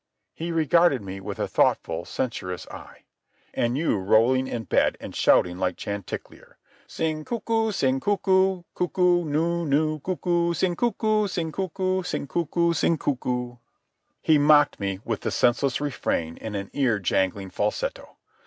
He regarded me with a thoughtful, censorious eye. "And you rolling to bed and shouting like chanticleer, 'Sing cucu, sing cucu, cucu nu nu cucu, sing cucu, sing cucu, sing cucu, sing cucu.'" He mocked me with the senseless refrain in an ear jangling falsetto.